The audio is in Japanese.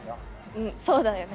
うんそうだよね